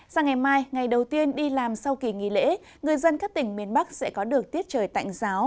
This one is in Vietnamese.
sang ngày mai ngày đầu tiên đi làm sau kỳ nghỉ lễ người dân các tỉnh miền bắc sẽ có được tiết trời tạnh giáo